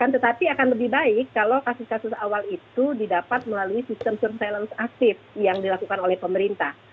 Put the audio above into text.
tetapi akan lebih baik kalau kasus kasus awal itu didapat melalui sistem surveillance aktif yang dilakukan oleh pemerintah